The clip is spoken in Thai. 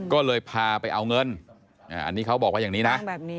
ก็เลยพาไปเอาเงินอันนี้เขาบอกว่าอย่างนี้นะ